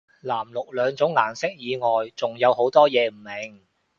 藍綠兩種顏色以外仲有好多嘢唔明